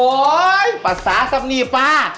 โอ้โหปราศาสตร์สำนีบป่า